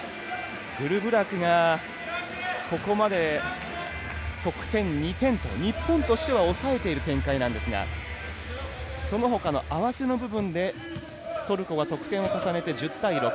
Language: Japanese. グルブラクがここまで得点２点と日本としては抑えている展開ですがそのほかの合わせの部分でトルコが得点を重ねて１０対６。